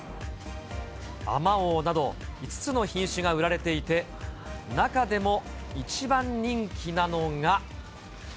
あまおうなど、５つの品種が売られていて、中でも一番人気なのが。